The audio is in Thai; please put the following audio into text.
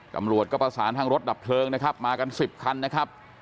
ตำรวจก็ประสานทางรถดับเพลิงนะครับมากัน๑๐คันนะครับ